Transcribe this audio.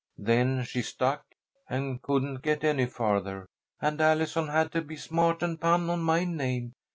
Then she stuck, and couldn't get any farther, and Allison had to be smart and pun on my name.